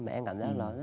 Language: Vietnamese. mà em cảm thấy nó rất là